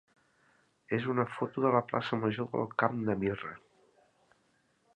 és una foto de la plaça major del Camp de Mirra.